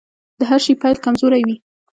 د هر شي پيل کمزوری وي .